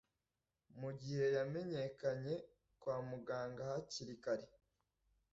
mu gihe yamenyekanye kwa muganga hakiri kare